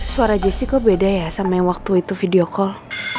suara jessica beda ya sama yang waktu itu video call